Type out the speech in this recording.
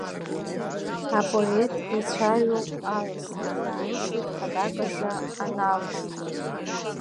Апоет ицәаҩоуп аласра, илшоит хадак азы аналасра.